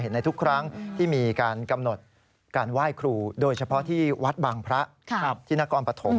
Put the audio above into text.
ให้กำหนดการไหว้ครูโดยเฉพาะที่วัดบังพระที่นกรปฐม